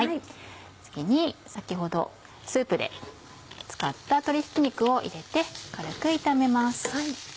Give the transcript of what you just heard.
次に先ほどスープで使った鶏ひき肉を入れて軽く炒めます。